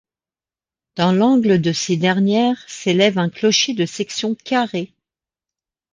Dans l'angle de ces dernières s'élève un clocher de section carrée.